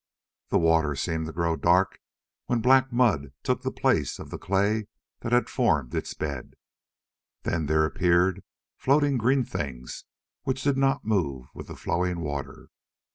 The water seemed to grow dark when black mud took the place of the clay that had formed its bed. Then there appeared floating green things which did not move with the flowing water.